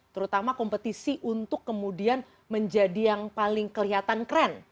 terutama kompetisi untuk kemudian menjadi yang paling kelihatan keren